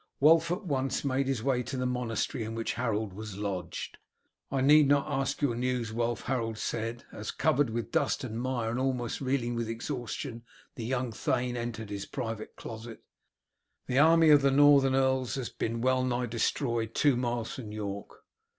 Wulf at once made his way to the monastery, in which Harold was lodged. "I need not ask your news, Wulf," Harold said, as, covered with dust and mire, and almost reeling with exhaustion, the young thane entered his private closet. "The army of the northern earls has been well nigh destroyed two miles from York.